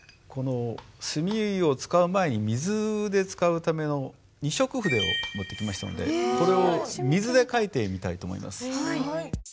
墨を使う前に水で使うための二色筆を持ってきましたのでこれを水で書いてみたいと思います。